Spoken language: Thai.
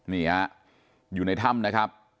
นี่ฮะอยู่ในถ้ำนะครับ